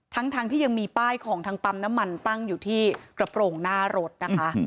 ทั้งที่ยังมีป้ายของทางปั๊มน้ำมันตั้งอยู่ที่กระโปรงหน้ารถนะคะ